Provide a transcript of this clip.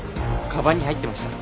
かばんに入ってました。